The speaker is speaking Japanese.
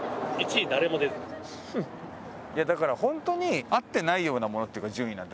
いやだから本当にあってないようなものっていうか順位なんて。